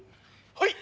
「はい！」